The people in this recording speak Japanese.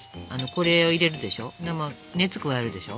これを入れるでしょ。